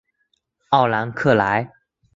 奥兰克莱。